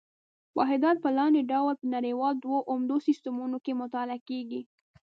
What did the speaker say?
واحدات په لاندې ډول په نړیوالو دوو عمده سیسټمونو کې مطالعه کېږي.